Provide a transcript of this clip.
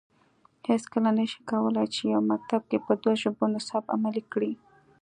هیڅکله نه شي کولای چې یو مکتب کې په دوه ژبو نصاب عملي کړي